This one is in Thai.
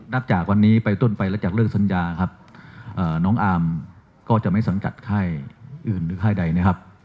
นับจากวันนี้ไปต้นไปแล้วจากเลิกสัญญาครับน้องอาร์มก็จะไม่สังกัดค่ายอื่นหรือค่ายใดนะครับ